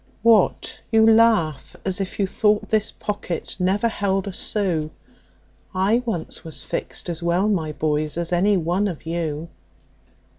What? You laugh as if you thought this pocket never held a sou; I once was fixed as well, my boys, as any one of you.